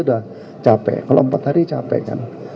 udah cape kalau empat hari cape kan